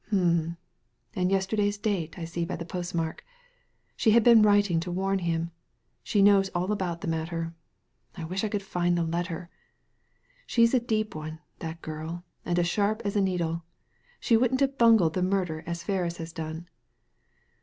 Hum 1 And yester day's date, I see by the postmark. She had been writing to warn him. She knows all about the matter. I wish I could find the letter. She's a deep one, that girl, and as sharp as a needle. She wouldn't have bungled the murder as Ferris has done."